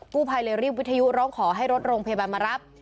ผู้ภัยเลยรีบวิทยุร้องขอให้รถโรงพยาบาลมารับ